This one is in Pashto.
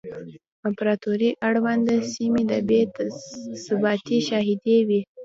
امپراتورۍ اړونده سیمې د بې ثباتۍ شاهدې وې